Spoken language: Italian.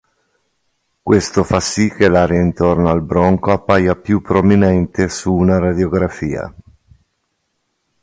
Questo fa sì che l'area intorno al bronco appaia più prominente su una radiografia.